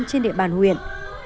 trên địa bàn huyện